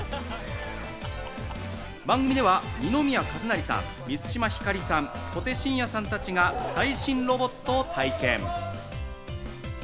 番組では二宮和也さん、満島ひかりさん、小手伸也さんたちが最新ロボットを体験。